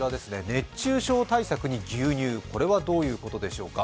熱中症対策に牛乳、これはどういうことでしょうか？